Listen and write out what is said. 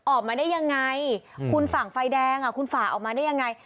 ออกมาได้ยังไงคุณฝั่งไฟแดงคุณฝ่าออกมาได้ยังไง